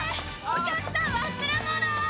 お客さん忘れ物！